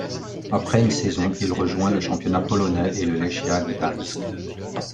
Après une saison, il rejoint le championnat polonais et le Lechia Gdańsk.